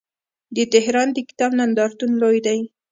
د تهران د کتاب نندارتون لوی دی.